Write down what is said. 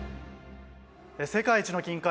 世界一の金塊